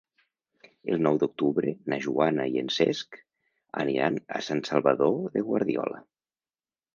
El nou d'octubre na Joana i en Cesc aniran a Sant Salvador de Guardiola.